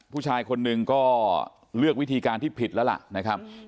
ผู้ชายคนหนึ่งก็เลือกวิธีการที่ผิดแล้วล่ะนะครับ